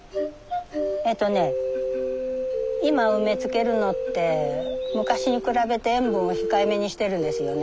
えっとね今梅漬けるのって昔に比べて塩分を控えめにしてるんですよね。